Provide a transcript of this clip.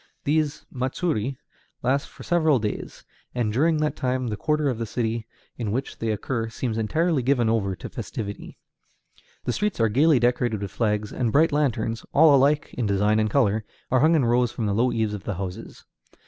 These matsuri last for several days, and during that time the quarter of the city in which they occur seems entirely given over to festivity. The streets are gayly decorated with flags, and bright lanterns all alike in design and color are hung in rows from the low eaves of the houses.